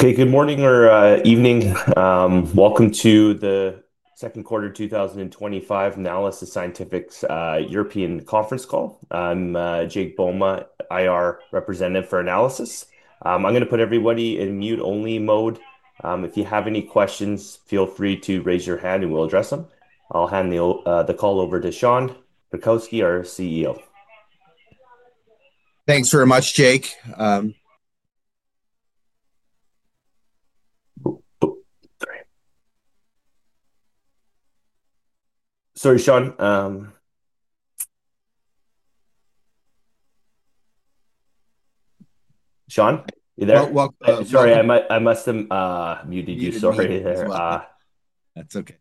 Okay, good morning or evening. Welcome to The Second Quarter 2025 Nanalysis Scientific's European Conference Call. I'm Jake Boma, IR representative for Nanalysis. I'm going to put everybody in mute only mode. If you have any questions, feel free to raise your hand and we'll address them. I'll hand the call over to Sean Krakiwsky, our CEO Thanks very much, Jake. Sorry, Sean. Sean, you there? Oh, sorry, I must have muted you. Sorry. That's okay.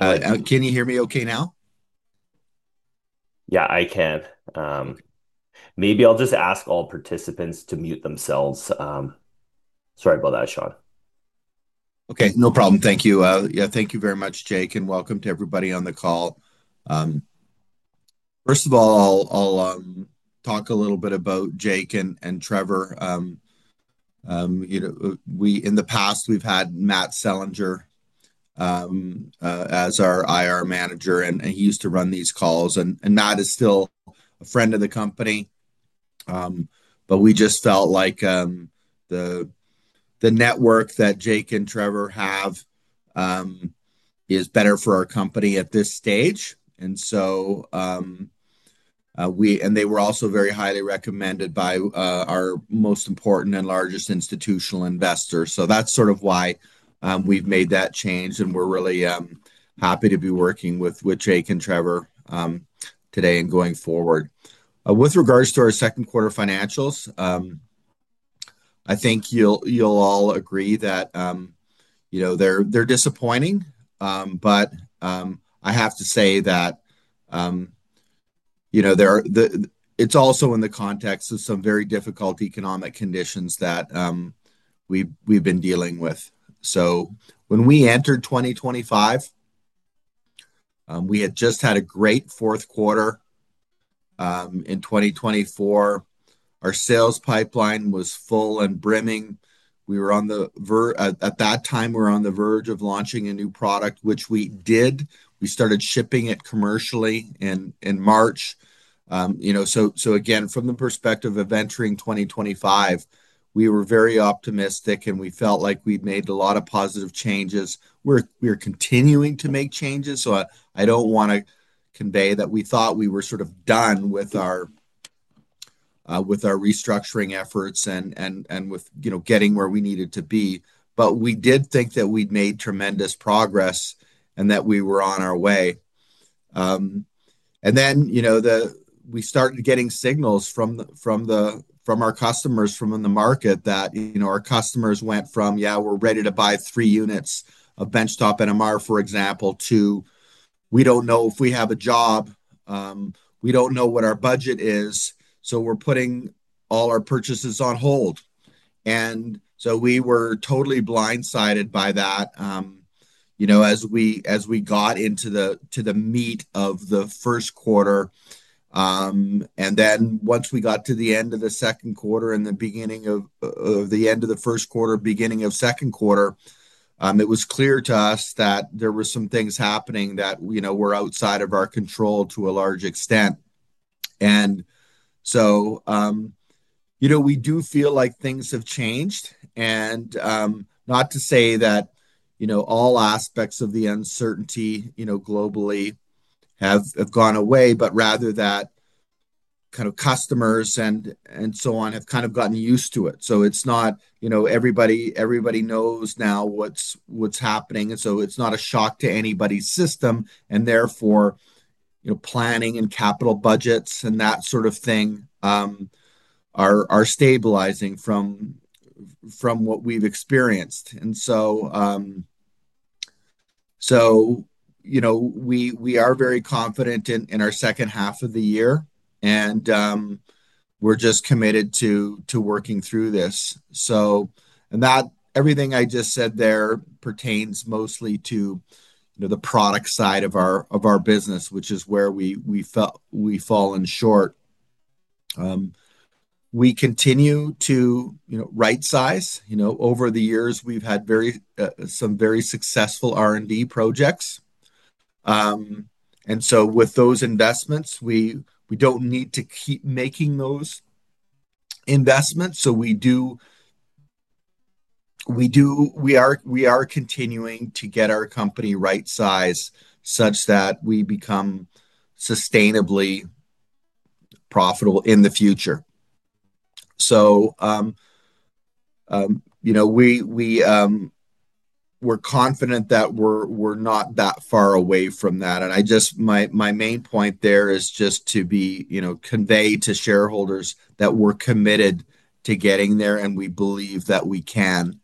Can you hear me okay now? Yeah, I can. Maybe I'll just ask all participants to mute themselves. Sorry about that, Sean. Okay, no problem. Thank you. Yeah, thank you very much, Jake, and welcome to everybody on the call. First of all, I'll talk a little bit about Jake and Trevor. You know, in the past, we've had Matthew Selinger as our IR manager, and he used to run these calls. Matthew is still a friend of the company, but we just felt like the network that Jake and Trevor have is better for our company at this stage. They were also very highly recommended by our most important and largest institutional investors. That's sort of why we've made that change, and we're really happy to be working with Jake and Trevor today and going forward. With regards to our second quarter financials, I think you'll all agree that they're disappointing. I have to say that it's also in the context of some very difficult economic conditions that we've been dealing with. When we entered 2025, we had just had a great fourth quarter in 2024. Our sales pipeline was full and brimming. At that time, we were on the verge of launching a new product, which we did. We started shipping it commercially in March. From the perspective of entering 2025, we were very optimistic, and we felt like we'd made a lot of positive changes. We're continuing to make changes. I don't want to convey that we thought we were done with our restructuring efforts and with getting where we needed to be. We did think that we'd made tremendous progress and that we were on our way. Then we started getting signals from our customers in the market that our customers went from, "Yeah, we're ready to buy three units of benchtop NMR," for example, to, "We don't know if we have a job. We don't know what our budget is, so we're putting all our purchases on hold." We were totally blindsided by that as we got into the meat of the first quarter, and once we got to the end of the second quarter and the beginning of the first quarter, beginning of second quarter, it was clear to us that there were some things happening that were outside of our control to a large extent. We do feel like things have changed. Not to say that all aspects of the uncertainty globally have gone away, but rather that customers and so on have kind of gotten used to it. It's not, you know, everybody knows now what's happening, and it's not a shock to anybody's system. Therefore, planning and capital budgets and that sort of thing are stabilizing from what we've experienced. We are very confident in our second half of the year, and we're just committed to working through this. Everything I just said there pertains mostly to the product side of our business, which is where we felt we've fallen short. We continue to right-size. Over the years, we've had some very successful R&D projects, and so with those investments, we don't need to keep making those investments. We are continuing to get our company right-sized such that we become sustainably profitable in the future. We're confident that we're not that far away from that. My main point there is just to convey to shareholders that we're committed to getting there, and we believe that we can.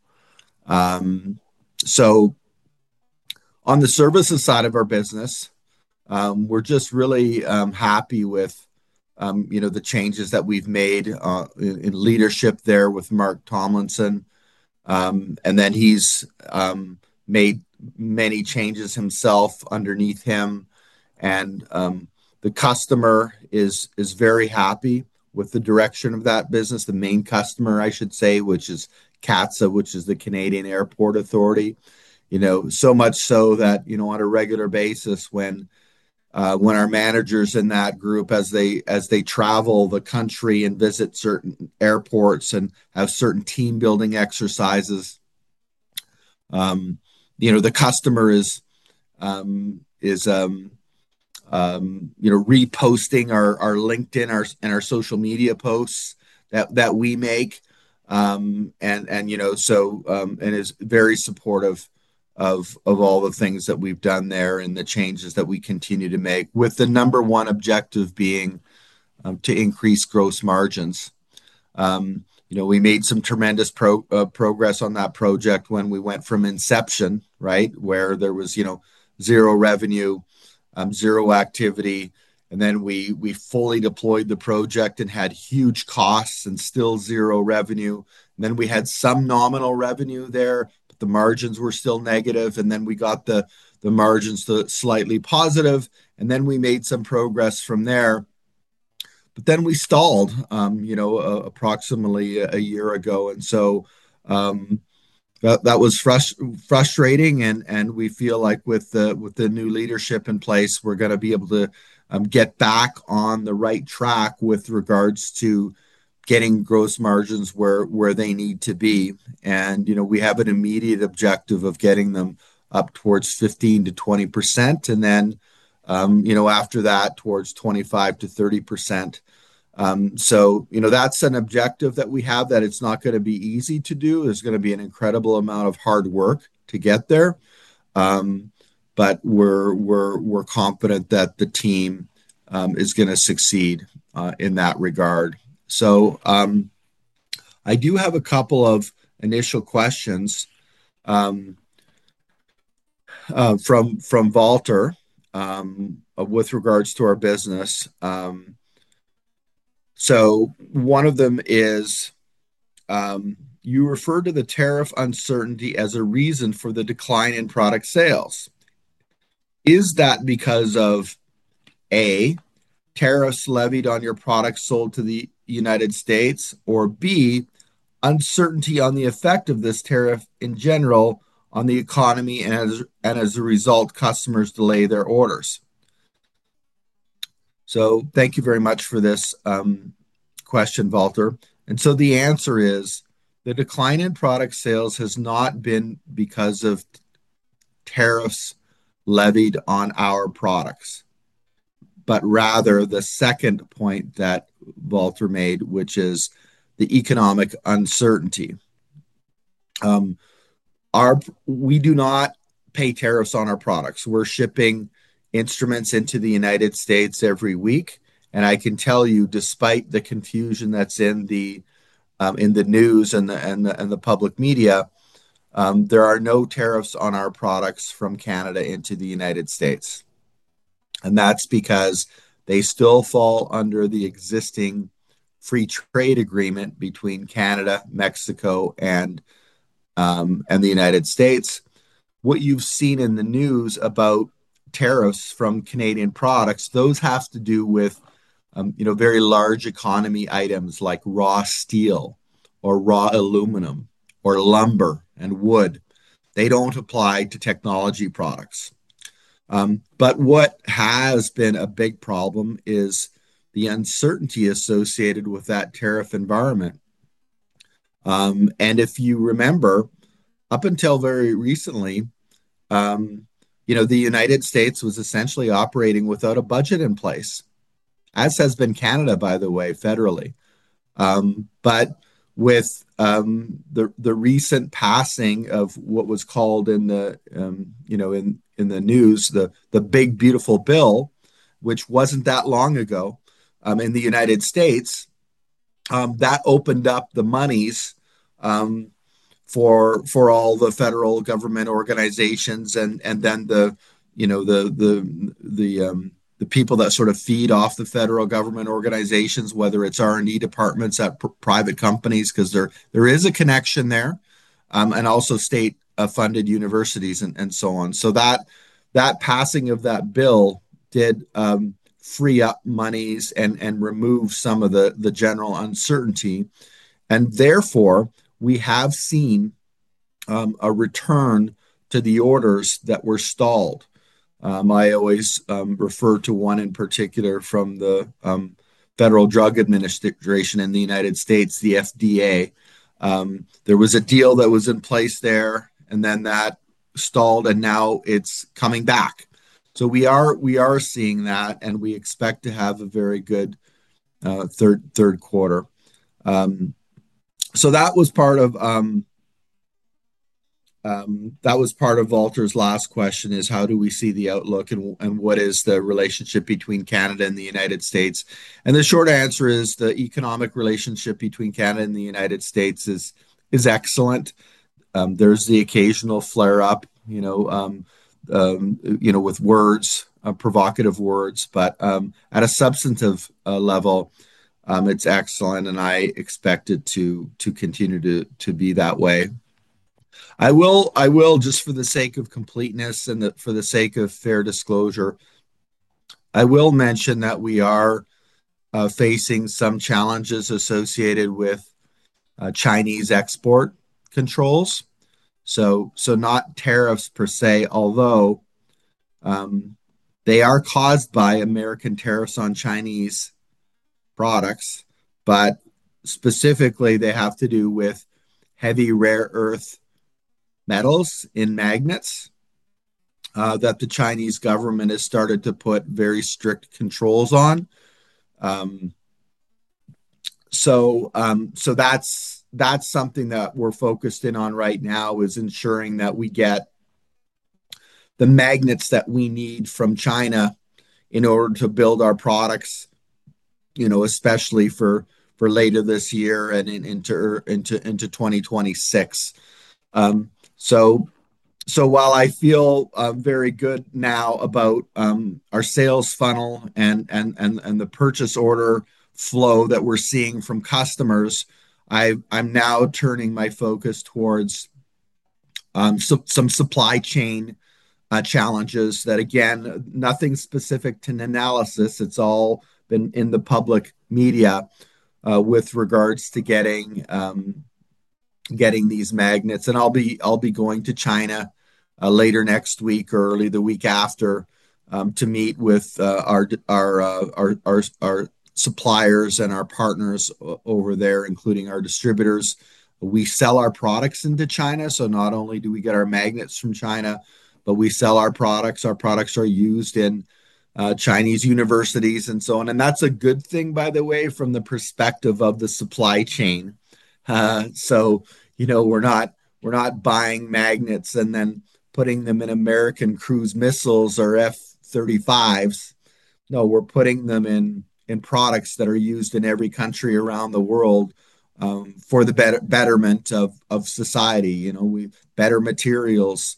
On the services side of our business, we're just really happy with the changes that we've made in leadership there with Mark Tomlinson, and then he's made many changes himself underneath him. The customer is very happy with the direction of that business, the main customer, I should say, which is CATSA, which is the Canadian Airport Authority. So much so that on a regular basis, when our managers in that group, as they travel the country and visit certain airports and have certain team-building exercises, the customer is reposting our LinkedIn and our social media posts that we make and is very supportive of all the things that we've done there and the changes that we continue to make, with the number one objective being to increase gross margins. We made some tremendous progress on that project when we went from inception, where there was zero revenue, zero activity, and then we fully deployed the project and had huge costs and still zero revenue. Then we had some nominal revenue there. The margins were still negative. We got the margins to slightly positive, and then we made some progress from there. We stalled approximately a year ago, and that was frustrating. We feel like with the new leadership in place, we're going to be able to get back on the right track with regards to getting gross margins where they need to be. We have an immediate objective of getting them up towards 15%-20%, and after that, towards 25%-30%. That's an objective that we have, and it's not going to be easy to do. It's going to be an incredible amount of hard work to get there, but we're confident that the team is going to succeed in that regard. I do have a couple of initial questions from Walter with regards to our business. One of them is, you refer to the tariff uncertainty as a reason for the decline in product sales. Is that because of, A, tariffs levied on your products sold to the United States, or B, uncertainty on the effect of this tariff in general on the economy and as a result, customers delay their orders? Thank you very much for this question, Walter. The answer is the decline in product sales has not been because of tariffs levied on our products, but rather the second point that Walter made, which is the economic uncertainty. We do not pay tariffs on our products. We're shipping instruments into the United States every week, and I can tell you, despite the confusion that's in the news and the public media, there are no tariffs on our products from Canada into the United States. That's because they still fall under the existing free trade agreement between Canada, Mexico, and the United States. What you've seen in the news about tariffs from Canadian products, those have to do with very large economy items like raw steel or raw aluminum or lumber and wood. They don't apply to technology products. What has been a big problem is the uncertainty associated with that tariff environment, and if you remember, up until very recently, the United States was essentially operating without a budget in place, as has been Canada, by the way, federally. With the recent passing of what was called in the news the big beautiful bill, which wasn't that long ago, in the United States, that opened up the moneys for all the federal government organizations and then the people that sort of feed off the federal government organizations, whether it's R&D departments at private companies, because there is a connection there, and also state-funded universities and so on. That passing of that bill did free up monies and remove some of the general uncertainty. Therefore, we have seen a return to the orders that were stalled. I always refer to one in particular from the Food and Drug Administration in the United States, the FDA. There was a deal that was in place there, and then that stalled, and now it's coming back. We are seeing that, and we expect to have a very good third quarter. That was part of Walter's last question: how do we see the outlook and what is the relationship between Canada and the United States? The short answer is the economic relationship between Canada and the United States is excellent. There's the occasional flare-up with words, provocative words, but at a substantive level, it's excellent, and I expect it to continue to be that way. I will, just for the sake of completeness and for the sake of fair disclosure, mention that we are facing some challenges associated with Chinese export controls. Not tariffs per se, although they are caused by American tariffs on Chinese products. Specifically, they have to do with heavy rare earth metals in magnets that the Chinese government has started to put very strict controls on. That's something that we're focused in on right now, ensuring that we get the magnets that we need from China in order to build our products, especially for later this year and into 2026. While I feel very good now about our sales funnel and the purchase order flow that we're seeing from customers, I'm now turning my focus towards some supply chain challenges that, again, nothing specific to Nanalysis. It's all been in the public media with regards to getting these magnets. I'll be going to China later next week or early the week after to meet with our suppliers and our partners over there, including our distributors. We sell our products into China. Not only do we get our magnets from China, but we sell our products. Our products are used in Chinese universities and so on. That's a good thing, by the way, from the perspective of the supply chain. We're not buying magnets and then putting them in American cruise missiles or F-35s. We're putting them in products that are used in every country around the world for the betterment of society. We've better materials,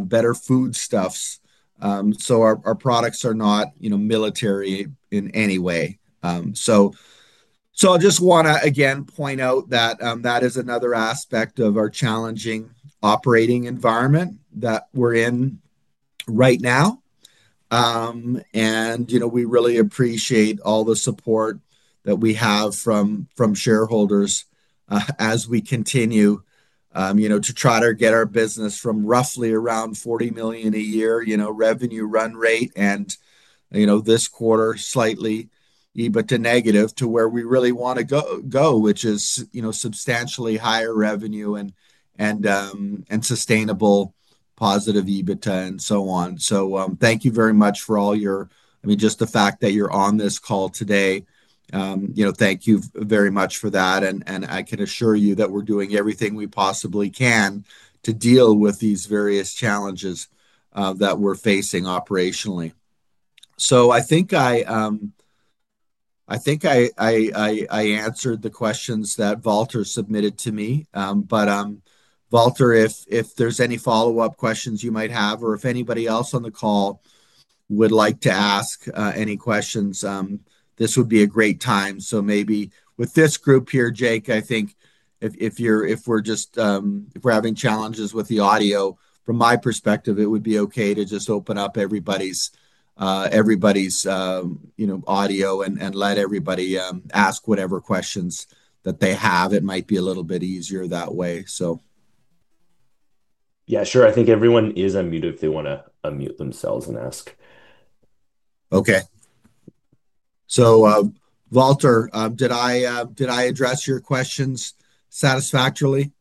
better foodstuffs. Our products are not military in any way. I just want to point out that is another aspect of our challenging operating environment that we're in right now. We really appreciate all the support that we have from shareholders as we continue to try to get our business from roughly around $40 million a year revenue run rate, and this quarter slightly EBITDA negative, to where we really want to go, which is substantially higher revenue and sustainable positive EBITDA and so on. Thank you very much for all your, I mean, just the fact that you're on this call today, thank you very much for that. I can assure you that we're doing everything we possibly can to deal with these various challenges that we're facing operationally. I think I answered the questions that Walter submitted to me. Walter, if there's any follow-up questions you might have or if anybody else on the call would like to ask any questions, this would be a great time. Maybe with this group here, Jake, if we're just having challenges with the audio, from my perspective, it would be okay to just open up everybody's audio and let everybody ask whatever questions that they have. It might be a little bit easier that way. Yeah, sure. I think everyone is unmuted if they want to unmute themselves and ask. Okay. Walter, did I address your questions satisfactorily?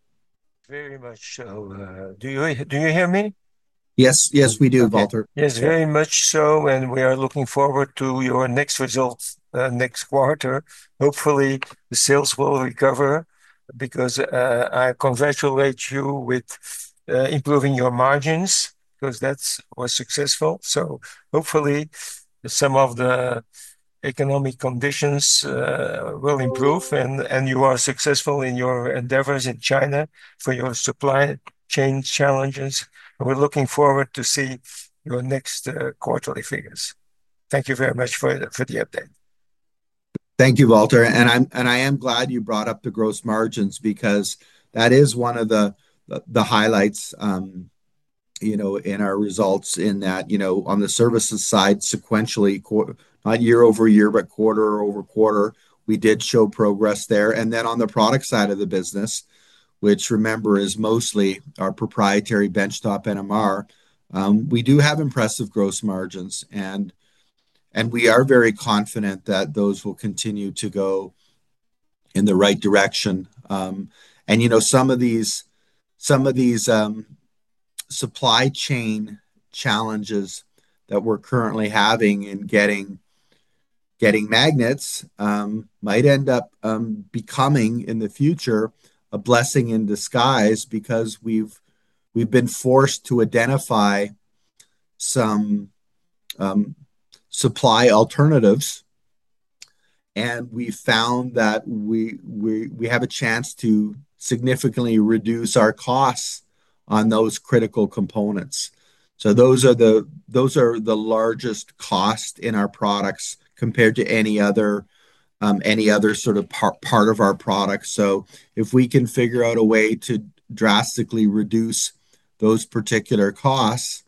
Very much so. Do you hear me? Yes, yes, we do, Walter. Yes, very much so. We are looking forward to your next results next quarter. Hopefully, the sales will recover. I congratulate you with improving your margins because that was successful. Hopefully, some of the economic conditions will improve, and you are successful in your endeavors in China for your supply chain challenges. We're looking forward to see your next quarterly figures. Thank you very much for the update. Thank you, Walter. I am glad you brought up the gross margins because that is one of the highlights in our results in that, on the services side, sequentially, not year-over-year, but quarter-over-quarter, we did show progress there. On the product side of the business, which remember is mostly our proprietary benchtop NMR, we do have impressive gross margins. We are very confident that those will continue to go in the right direction. Some of these supply chain challenges that we're currently having in getting magnets might end up becoming in the future a blessing in disguise because we've been forced to identify some supply alternatives. We found that we have a chance to significantly reduce our costs on those critical components. Those are the largest costs in our products compared to any other sort of part of our products. If we can figure out a way to drastically reduce those particular costs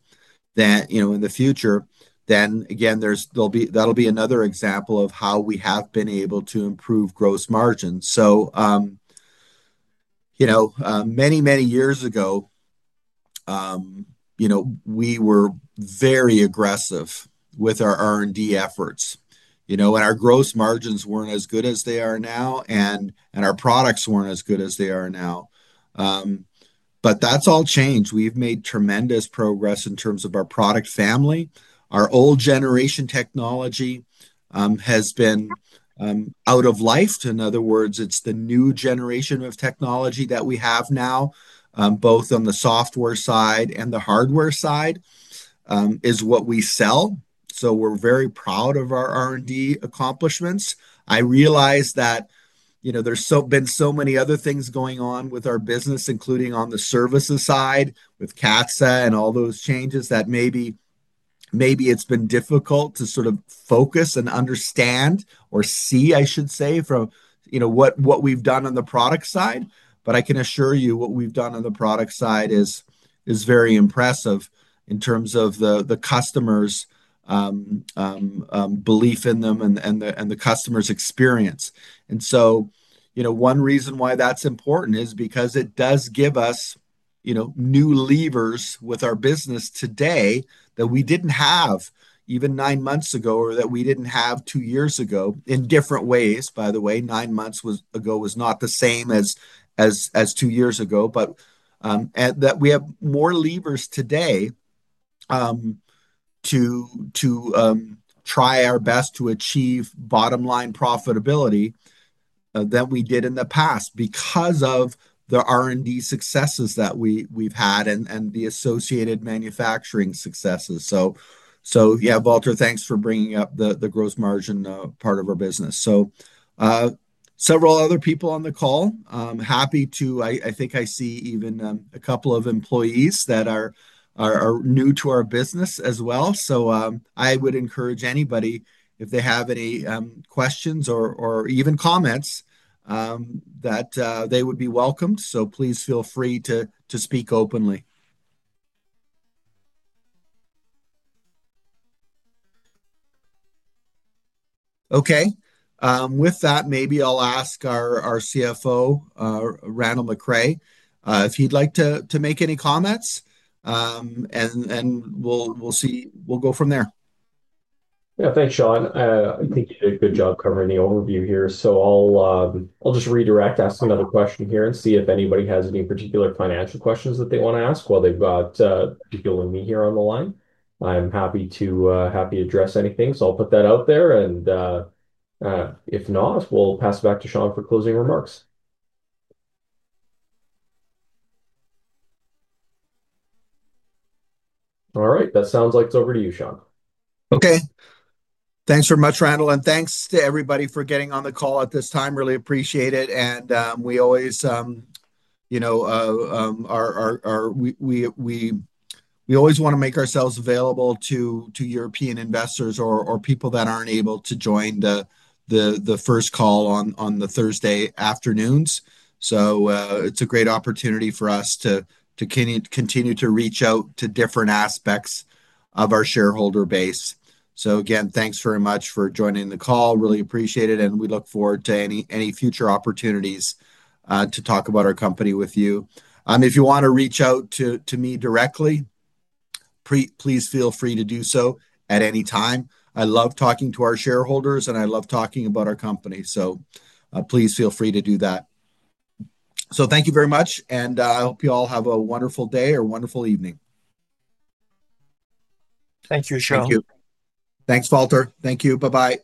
in the future, that'll be another example of how we have been able to improve gross margins. Many years ago, we were very aggressive with our R&D efforts. Our gross margins weren't as good as they are now, and our products weren't as good as they are now. That's all changed. We've made tremendous progress in terms of our product family. Our old generation technology has been out of life. In other words, it's the new generation of technology that we have now, both on the software side and the hardware side, is what we sell. We're very proud of our R&D accomplishments. I realize that there's been so many other things going on with our business, including on the services side with CATSA and all those changes that maybe it's been difficult to sort of focus and understand or see, I should say, from what we've done on the product side. I can assure you what we've done on the product side is very impressive in terms of the customer's belief in them and the customer's experience. One reason why that's important is because it does give us new levers with our business today that we didn't have even nine months ago or that we didn't have two years ago in different ways. By the way, nine months ago was not the same as two years ago, but we have more levers today to try our best to achieve bottom-line profitability than we did in the past because of the R&D successes that we've had and the associated manufacturing successes. Yeah, Walter, thanks for bringing up the gross margin part of our business. Several other people on the call, happy to, I think I see even a couple of employees that are new to our business as well. I would encourage anybody, if they have any questions or even comments, that they would be welcomed. Please feel free to speak openly. With that, maybe I'll ask our CFO, Randall McRae, if he'd like to make any comments, and we'll go from there. Yeah, thanks, Sean. I think you did a good job covering the overview here. I'll just redirect, ask another question here and see if anybody has any particular financial questions that they want to ask while they've got people and me here on the line. I'm happy to address anything. I'll put that out there. If not, we'll pass it back to Sean for closing remarks. All right. That sounds like it's over to you, Sean. Okay. Thanks very much, Randall. Thanks to everybody for getting on the call at this time. Really appreciate it. We always want to make ourselves available to European investors or people that aren't able to join the first call on the Thursday afternoons. It's a great opportunity for us to continue to reach out to different aspects of our shareholder base. Again, thanks very much for joining the call. Really appreciate it. We look forward to any future opportunities to talk about our company with you. If you want to reach out to me directly, please feel free to do so at any time. I love talking to our shareholders, and I love talking about our company. Please feel free to do that. Thank you very much. I hope you all have a wonderful day or wonderful evening. Thank you, Sean. Thank you. Thanks, Walter. Thank you. Bye-bye.